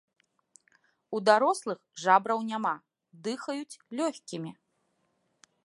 У дарослых жабраў няма, дыхаюць лёгкімі.